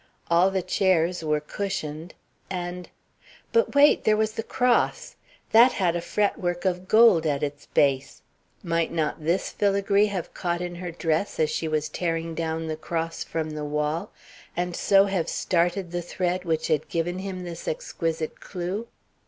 All the chairs were cushioned and But wait! there was the cross! That had a fretwork of gold at its base. Might not this filagree have caught in her dress as she was tearing down the cross from the wall and so have started the thread which had given him this exquisite clew?